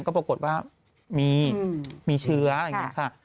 ก็ปรากฏว่ามีเชื้ออย่างนี้ค่ะ